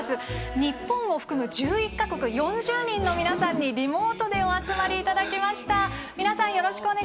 日本を含む１１か国４０人の皆さんにリモートでお集まりいただきました。